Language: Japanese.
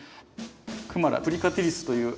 クマラ・プリカティリスという。